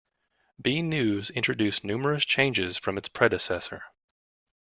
B News introduced numerous changes from its predecessor.